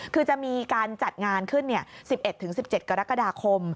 คือจะมีการจัดงานขึ้น๑๑๑๑๗กรกฎาคม